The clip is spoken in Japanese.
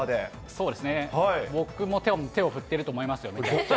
そうですね、僕も手を振ってると思いますよ。